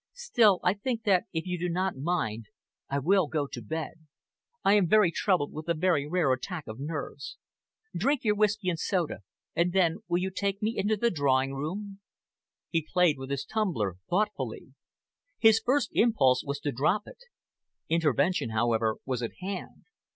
"Still, I think that if you do not mind, I will go to bed. I am troubled with a very rare attack of nerves. Drink your whisky and soda, and then will you take me into the drawing room?" He played with his tumbler thoughtfully. His first impulse was to drop it. Intervention, however, was at hand.